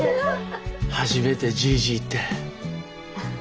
初めてじいじって。